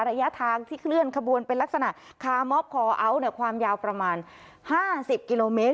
ระยะทางที่เคลื่อนขบวนเป็นลักษณะความยาวประมาณห้าสิบกิโลเมตร